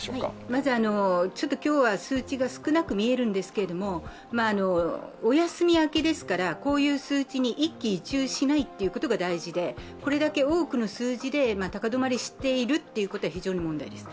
まず、今日は数値が少なく見えるんですけれども、お休み明けですから、こういう数字に一喜一憂しないということが大事でこれだけ多くの数字で高止まりしているということが非常に問題です。